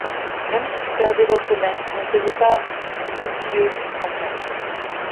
Même si vous perdez votre maître, ne soyez pas oublieuses du printemps.